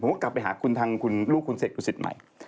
ผมก็กลับไปหาคุณทางลูกคุณเสกรุศิษฐ์ใหม่